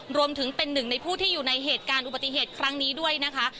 พูดสิทธิ์ข่าวธรรมดาทีวีรายงานสดจากโรงพยาบาลพระนครศรีอยุธยาครับ